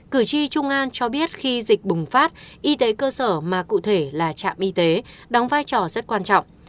cử tri trung an cho biết khi dịch bùng phát y tế cơ sở mà cụ thể là trạm y tế đóng vai trò rất quan trọng